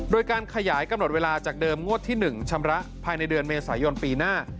โดยการขยายกำหนดเวลาจากเดิมงวดที่๑ชำระภายในเดือนเมษายนปีหน้า